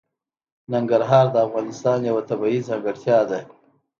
ننګرهار د افغانستان یوه طبیعي ځانګړتیا ده.